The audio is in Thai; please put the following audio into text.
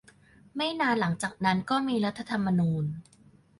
ไม่นานหลังจากนั้นก็มีรัฐธรรมนูญ